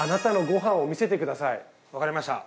わかりました。